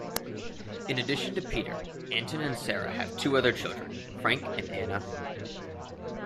In addition to Peter, Anton and Sarah have two other children, Frank and Anna.